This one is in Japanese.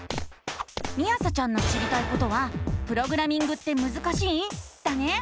みあさちゃんの知りたいことは「プログラミングってむずかしい⁉」だね！